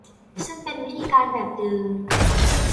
ซึ่งเป็นวิธีการแบบเดิม